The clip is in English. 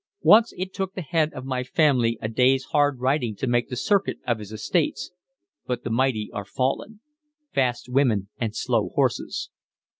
Once it took the head of my family a day's hard riding to make the circuit of his estates, but the mighty are fallen. Fast women and slow horses."